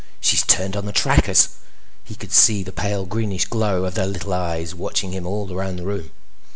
She's turned on the trackers! He could see the pale greenish glow of their little eyes watching him all around the room.